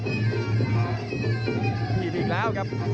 หยิบอีกแล้วครับ